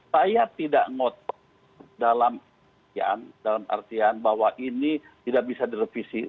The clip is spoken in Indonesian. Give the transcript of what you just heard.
saya tidak ngotot dalam artian dalam artian bahwa ini tidak bisa direvisi